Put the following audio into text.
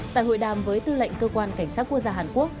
tại hội đàm với tư lệnh cơ quan cảnh sát quốc gia hàn quốc